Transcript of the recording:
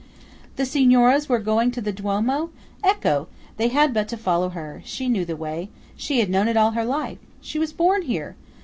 "The Signoras were going to the Duomo? Ecco! They had but to follow her. She knew the way. She had known it all her life. She was born here!